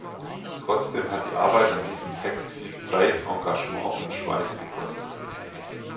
Trotzdem hat die Arbeit an diesem Text viel Zeit, Engagement und Schweiß gekostet.